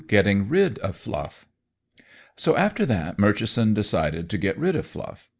GETTING RID OF FLUFF So after that Murchison decided to get rid of Fluff.